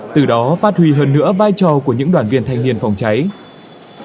từ đó phát huy hơn nữa vai trò của những đoàn viên thanh niên phòng cháy